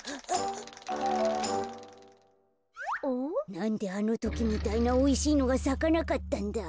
なんであのときみたいなおいしいのがさかなかったんだ。